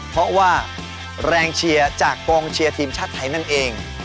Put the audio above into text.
เพราะว่าแรงเชียร์จากกองเชียร์ทีมชาติไทยนั่นเอง